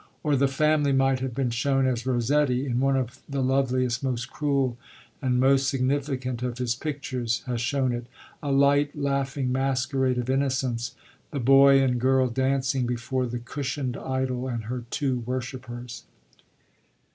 Or the family might have been shown as Rossetti, in one of the loveliest, most cruel, and most significant of his pictures, has shown it: a light, laughing masquerade of innocence, the boy and girl dancing before the cushioned idol and her two worshippers.